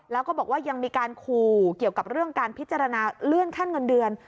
แล้วก็บอกว่ายังมีการขู่เกี่ยวกับเรื่องการพิจารณาเลื่อนขั้นเงินเดือน